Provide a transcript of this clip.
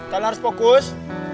kalian harus fokus